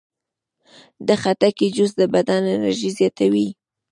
د خټکي جوس د بدن انرژي زیاتوي.